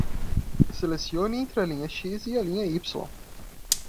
Selecione entre a linha X e a linha Y.